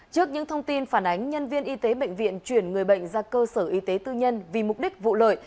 trước những thông tin phản ánh nhân viên y tế bệnh viện chuyển người bệnh ra cơ sở y tế tư nhân vì mục đích vụ lợi